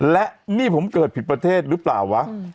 และนี่ผมเกิดผิดประเทศหรือเปล่าวะ